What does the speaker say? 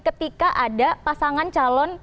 ketika ada pasangan calon